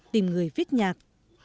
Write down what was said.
tìm người viết nhạc